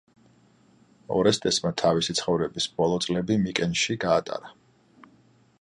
ორესტესმა თავისი ცხოვრების ბოლო წლები მიკენში გაატარა.